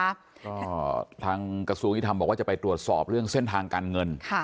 ก็ทางกระทรวงยุทธรรมบอกว่าจะไปตรวจสอบเรื่องเส้นทางการเงินค่ะ